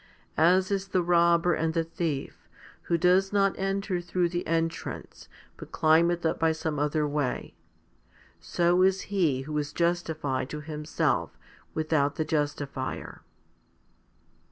As is the robber and the thief, who does not enter through the entrance, but climbeth up some other way^ so is he who is justified to himself without the Justifier.